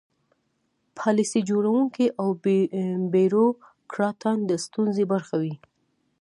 پالیسي جوړوونکي او بیروکراټان د ستونزې برخه وي.